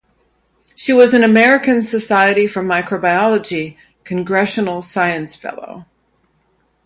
She was an American Society for Microbiology congressional science fellow.